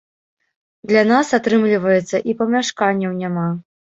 Для нас, атрымліваецца, і памяшканняў няма.